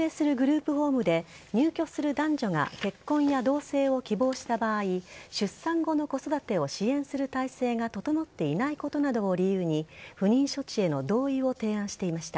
入居する男女が結婚や同せいを希望した場合、出産後の子育てを支援する体制が整っていないことなどを理由に、不妊処置への同意を提案していました。